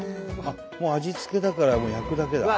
もう味付きだから焼くだけだ。